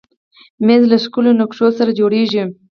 مېز له ښکلو نقشو سره جوړېږي.